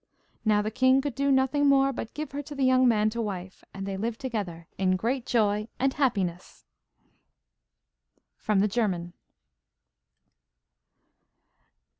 Now the king could do nothing more but give her to the young man to wife, and they lived together in great joy and happiness. (From the German.)